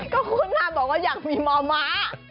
ก็คุ้นค่ะบอกว่าอยากมีมอม้า